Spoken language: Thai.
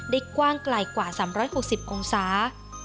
กว้างไกลกว่า๓๖๐องศา